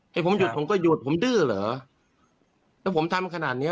ให้ผมหยุดผมก็หยุดผมดื้อเหรอแล้วผมทำขนาดเนี้ย